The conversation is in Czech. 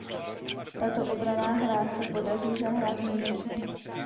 Tato obranná hra se podaří zahrát výjimečně.